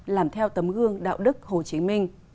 làm theo tấm gương đạo đức hồ chí minh